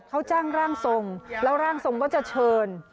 เขาจ้างร่างทรงแล้วร่างทรงก็จะเชิญ